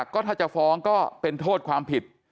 ก็ถ้าจะฟ้องก็เป็นโทษความผิด